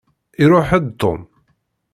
Iṛuḥ-d Tom?